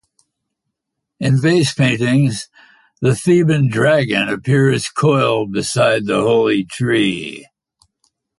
In vase-paintings the Theban dragon appears coiled beside the holy tree.